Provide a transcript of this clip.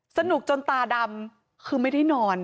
สนุกจนตาดำคือไม่ได้นอน